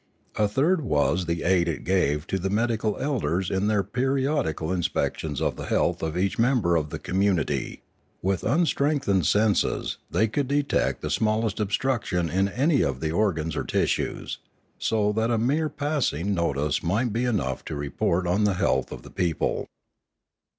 A third was the aid it gave the medical elders in their periodical inspections of the health of each member of the community; with un strengthened senses they could detect the smallest ob struction in any of the organs or tissues, so that a mere passing notice might be enough to report on the health of the people.